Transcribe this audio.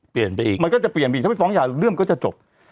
เปลี่ยนไปอีกมันก็จะเปลี่ยนอีกถ้าไปฟ้องหย่าเรื่องก็จะจบ